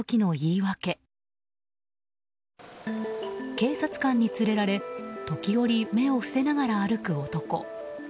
警察官に連れられ時折、目を伏せながら歩く男。